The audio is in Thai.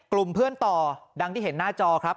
กลุ่มเพื่อนต่อดังที่เห็นหน้าจอครับ